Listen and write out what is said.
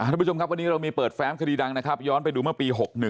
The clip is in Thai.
ดังวันนี้เรามีเปิดแฟ้มคดีดังย้อนไปดูเมื่อปี๖๑